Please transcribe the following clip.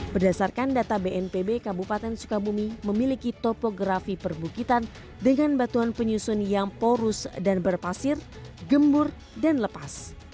berdasarkan data bnpb kabupaten sukabumi memiliki topografi perbukitan dengan batuan penyusun yang porus dan berpasir gembur dan lepas